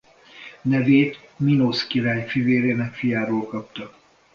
Nevét Minósz király fivérének fiáról kapta.